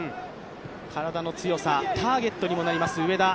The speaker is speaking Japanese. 体の強さターゲットにもなります、上田。